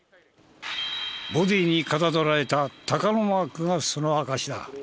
ボディーにかたどられた鷹のマークがその証しだ。